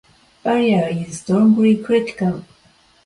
Belier is strongly critical.